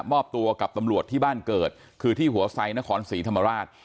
มอบตัวกับตำรวจที่บ้านเกิดคือที่หัวไซนครศรีธรรมราช